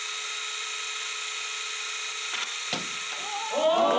お！